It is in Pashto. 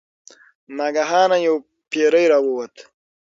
ناګهانه یو پیری راووت.